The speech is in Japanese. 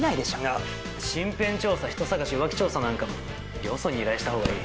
あっ身辺調査人捜し浮気調査なんかはもうよそに依頼したほうがいい。